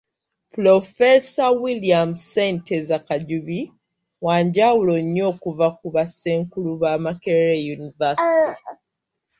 Pulofeesa William Ssenteza Kajubi wa njawulo nnyo okuva ku bassenkulu ba Makerere University.